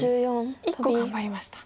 １個頑張りました。